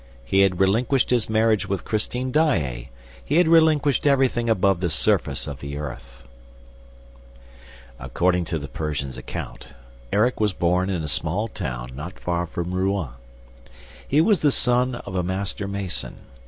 He had relinquished his marriage with Christine Daae. He had relinquished everything above the surface of the earth." According to the Persian's account, Erik was born in a small town not far from Rouen. He was the son of a master mason.